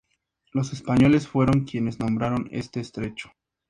Los españoles fueron quienes nombraron este estrecho.